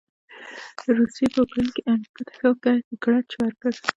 روسې په يوکراين کې امریکا ته ښه ګړچ ورکړ.